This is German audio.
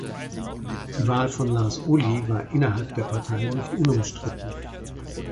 Die Wahl von Lars Ohly war innerhalb der Partei nicht unumstritten.